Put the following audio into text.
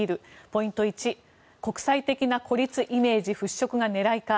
ポイント１、国際的な孤立イメージ払拭が狙いか。